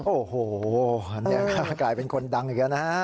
โอ้โหเนี่ยกลายเป็นคนดังอีกแล้วนะฮะ